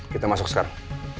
kita masuk sekarang